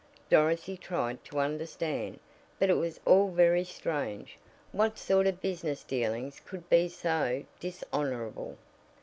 Dorothy tried to understand, but it was all very strange. What sort of business dealings could be so dishonorable?